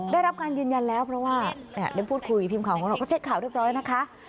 ได้รับการยืนยันแล้วเพราะว่าได้พูดคุยทีมข่าวของเราก็เช็คข่าวเรียบร้อยนะคะ